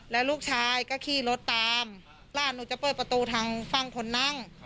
แล้วลูกชายก็ขี่รถตามหลานหนูจะเปิดประตูทางฝั่งคนนั่ง